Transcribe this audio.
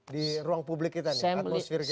di ruang publik kita nih atmosfer kita